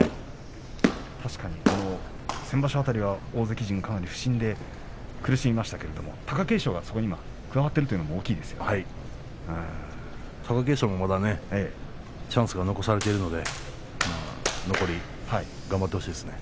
確かに先場所辺りは大関陣が苦しみましたけれども貴景勝が優勝争いに加わっている貴景勝も、まだチャンスが残されているので頑張ってほしいですね。